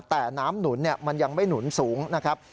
แต่น้ำหนุนมันยังไม่หนุนสูงนะครับ